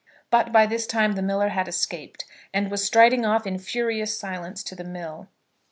But by this time the miller had escaped, and was striding off in furious silence to the mill.